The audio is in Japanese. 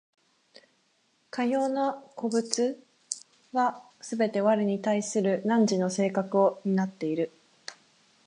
かような個物はすべて我に対する汝の性格を担っている。